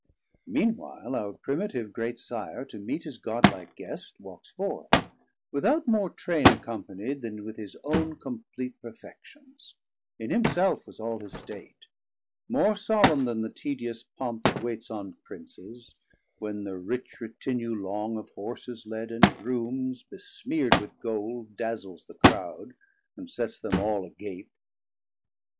Mean while our Primitive great Sire, to meet 350 His god like Guest, walks forth, without more train Accompani'd then with his own compleat Perfections, in himself was all his state, More solemn then the tedious pomp that waits On Princes, when thir rich Retinue long Of Horses led, and Grooms besmeard with Gold Dazles the croud, and sets them all agape.